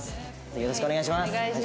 よろしくお願いします。